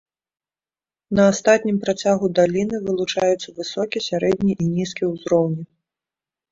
На астатнім працягу даліны вылучаюцца высокі, сярэдні і нізкі ўзроўні.